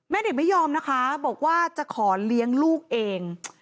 เด็กไม่ยอมนะคะบอกว่าจะขอเลี้ยงลูกเอง